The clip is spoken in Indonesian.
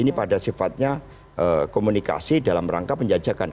ini pada sifatnya komunikasi dalam rangka penjajakan